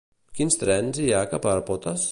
Quins trens hi ha cap a Potes?